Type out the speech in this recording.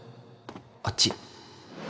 あっち